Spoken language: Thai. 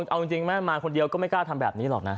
เอาจริงแม่มาคนเดียวก็ไม่กล้าทำแบบนี้หรอกนะ